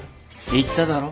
言っただろ？